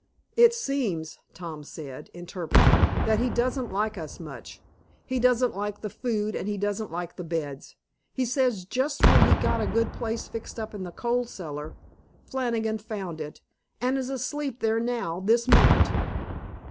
"It seems," Tom said, interpreting, "that he doesn't like us much. He doesn't like the food, and he doesn't like the beds. He says just when he got a good place fixed up in the coal cellar, Flannigan found it, and is asleep there now, this minute."